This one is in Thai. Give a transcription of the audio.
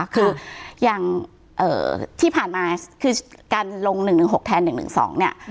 คืออย่างที่ผ่านมาคือการลง๑๑๖แทน๑๑๒เนี่ย